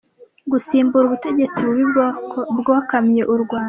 gusimbura ubutegetsi bubi bwokamye u Rwanda.